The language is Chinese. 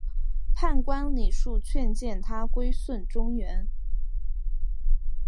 判官李恕劝谏他归顺中原。